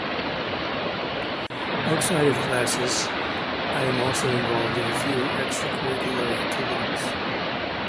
Outside of classes, I am also involved in a few extracurricular activities.